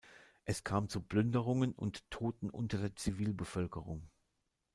Es kam zu Plünderungen und Toten unter der Zivilbevölkerung.